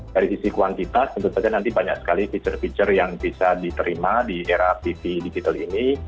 dari sisi kuantitas tentu saja nanti banyak sekali fitur fitur yang bisa diterima di era pv digital ini